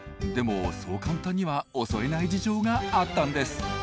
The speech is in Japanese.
でもそう簡単には襲えない事情があったんです。